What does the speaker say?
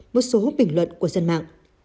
một số bình luận của dân mạng